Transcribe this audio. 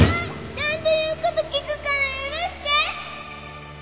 ちゃんと言う事聞くから許して！